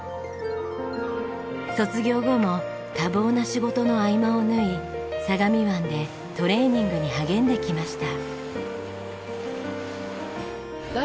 卒業後も多忙な仕事の合間を縫い相模湾でトレーニングに励んできました。